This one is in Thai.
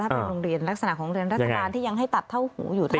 ถ้าเป็นลักษณะของเรียนลักษณะที่ยังให้ตัดเท่าหูอยู่ได้เลย